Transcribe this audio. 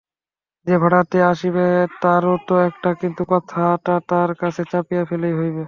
যে ভাড়াটে আসিবে তারও তো একটা–কিন্তু কথাটা তার কাছে চাপিয়া গেলেই হইবে।